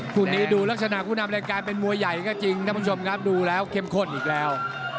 คู่นี้ดูลักษณะคู่นำรายการเป็นมวยใหญ่ก็จริงท่านผู้ชมครับดูแล้วเข้มข้นอีกแล้ว